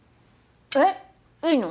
えっいいの？